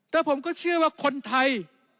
แล้วผมก็เชื่อว่าคนไทย